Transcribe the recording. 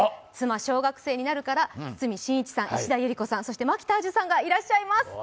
「妻、小学生になる」か堤真一さん、石田ゆり子さん、そして蒔田彩珠さんがいらっしゃいます。